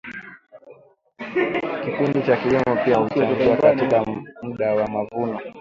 kipindi cha kilimo pia huchangia katika mda wa mavuno